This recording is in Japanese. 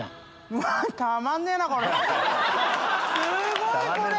すごいこれ！